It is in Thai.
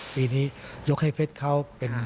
ปีนี้ยกให้เพชรเขาเป็น